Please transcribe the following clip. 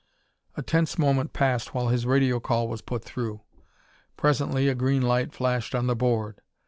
A tense moment passed while his radio call was put through. Presently a green light flashed on the board.